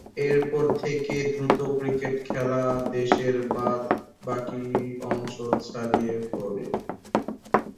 এরপর থেকেই দ্রুত ক্রিকেট খেলা দেশের বাদ-বাকী অংশে ছড়িয়ে পড়ে।